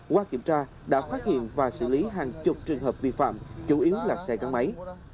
qua kiểm tra đã phát hiện và xử lý hàng chục trường hợp vi phạm chủ yếu là xe gắn máy